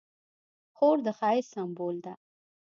خور د ښایست سمبول ده.